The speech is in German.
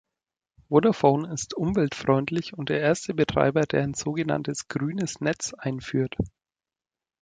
Vodafone ist umweltfreundlich und der erste Betreiber, der ein so genanntes grünes Netz einführt.